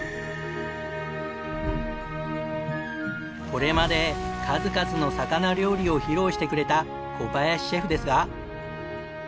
これまで数々の魚料理を披露してくれた小林シェフですが。